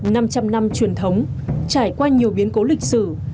năm trăm linh năm truyền thống trải qua nhiều biến cố lịch sử